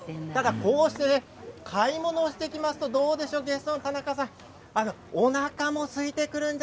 こうした買い物していきますとどうでしょうか、田中さんおなかもすいてくるんじゃ